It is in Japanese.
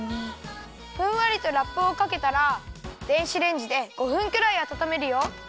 ふんわりとラップをかけたら電子レンジで５分くらいあたためるよ。